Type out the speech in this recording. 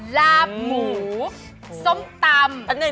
ลาบหมูส้มตำ